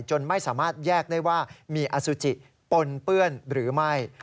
จนไม่สามารถแยกได้ว่ามีอสุจิปนเปื้อนหรือไม่